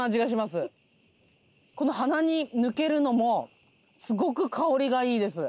この鼻に抜けるのもすごく香りがいいです。